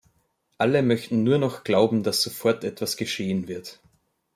Alle möchten nur noch glauben, dass sofort etwas geschehen wird.